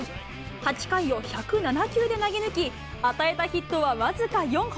８回を１０７球で投げ抜き、与えたヒットは僅か４本。